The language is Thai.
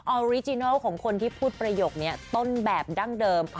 อริจินัลของคนที่พูดประโยคนี้ต้นแบบดั้งเดิม